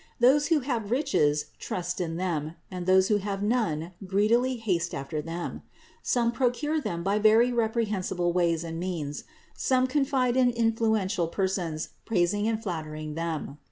Those who have riches, trust in them, and those who have none, greedily haste after them; some procure them by very reprehensible ways and means; some confide in influential persons, praising and flattering them.